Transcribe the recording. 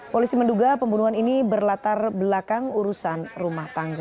polisi menduga pembunuhan ini berlatar belakang urusan rumah tangga